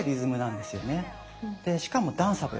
でしかもダンサブル。